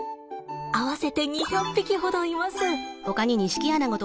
合わせて２００匹ほどいます。